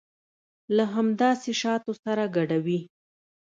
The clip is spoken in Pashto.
له همداسې شاتو سره ګډوي.